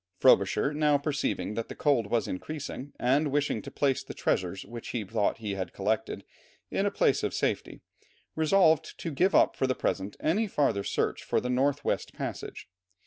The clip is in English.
Frobisher, now perceiving that the cold was increasing, and wishing to place the treasures which he thought he had collected, in a place of safety, resolved to give up for the present any farther search for the north west passage.